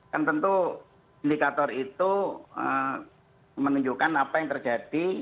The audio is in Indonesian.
kan tentu indikator itu menunjukkan apa yang terjadi